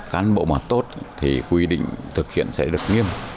cán bộ mà tốt thì quy định thực hiện sẽ được nghiêm